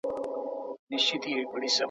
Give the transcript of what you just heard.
د زور مطالعه هېڅ ګټه نه رسوي.